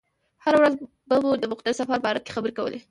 هره ورځ به مو د مقدس سفر باره کې خبرې کولې.